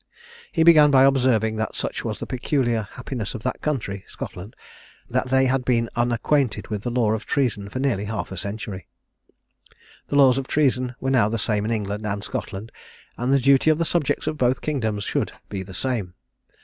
He began by observing, that such was the peculiar happiness of that country (Scotland), that they had been unacquainted with the law of treason for nearly half a century. The laws of treason were now the same in England and Scotland, and the duty of the subjects of both kingdoms should be the same.